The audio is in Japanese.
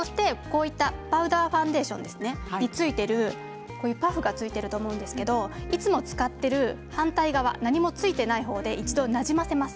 パウダーファンデーションについている、パフがついてると思うんですがいつも使っている反対側、何もついていない方で一度なじませます。